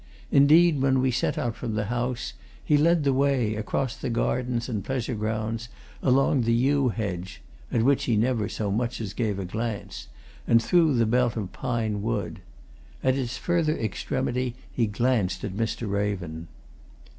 Indeed, when we set out from the house he led the way, across the gardens and pleasure grounds, along the yew hedge (at which he never so much as gave a glance) and through the belt of pine wood. At its further extremity he glanced at Mr. Raven.